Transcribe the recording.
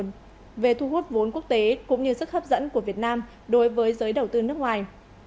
về thu hút vốn quốc tế cũng như sức hấp dẫn của việt nam đối với giới đầu tư nước ngoài